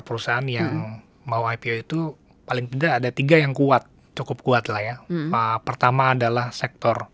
perusahaan yang mau ipo itu paling tidak ada tiga yang kuat cukup kuat lah ya pertama adalah sektor